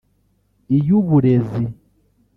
iy’uburezi